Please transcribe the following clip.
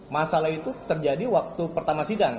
masalah itu terjadi waktu pertama sidang